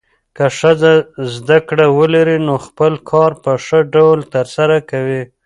که ښځه زده کړه ولري، نو خپل کار په ښه ډول ترسره کوي.